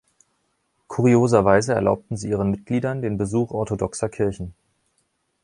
Kurioserweise erlaubten sie ihren Mitgliedern den Besuch orthodoxer Kirchen.